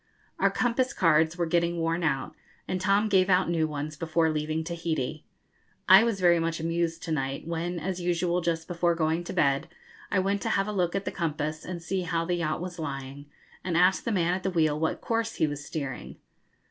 Our compass cards were getting worn out, and Tom gave out new ones before leaving Tahiti. I was very much amused to night, when, as usual, just before going to bed, I went to have a look at the compass and see how the yacht was lying, and asked the man at the wheel what course he was steering.